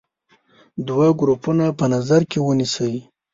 دوه ګروپونه په نظر کې ونیسئ.